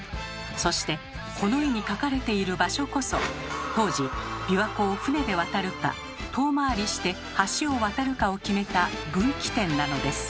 そしてこの絵に描かれている場所こそ当時琵琶湖を船で渡るか遠回りして橋を渡るかを決めた分岐点なのです。